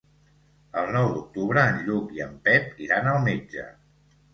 El nou d'octubre en Lluc i en Pep iran al metge.